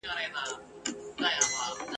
اسوېلي به زیاتي نه لرم په خوله کي !.